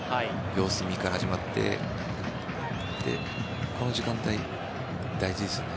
様子見から始まってこの時間帯、大事ですね。